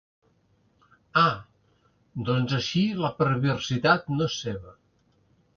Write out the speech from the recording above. Ah, doncs així la perversitat no és seva.